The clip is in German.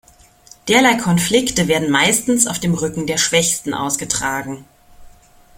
Derlei Konflikte werden meistens auf dem Rücken der Schwächsten ausgetragen.